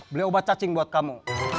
beli obat cacing buat kamu